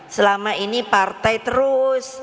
selama ini partai terus